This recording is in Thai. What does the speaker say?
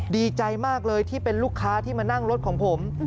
ดีใจมากเลยที่เป็นลูกค้าที่มานั่งรถของผม